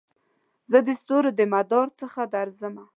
زه دستورو دمدار څخه درځمه